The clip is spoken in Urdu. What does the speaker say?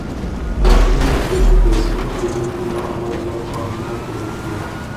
جب اردگرد دیکھنا شروع کیا اور جب پڑھنا شروع کیا